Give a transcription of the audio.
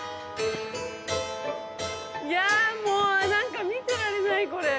いやもう何か見てられないこれ。